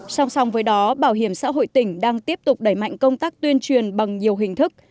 song song với đó bảo hiểm xã hội tỉnh đang tiếp tục đẩy mạnh công tác tuyên truyền bằng nhiều hình thức